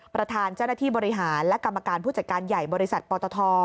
ประธานเจ้าหน้าที่บริหารและกรรมการผู้จัดการใหญ่บริษัทปตท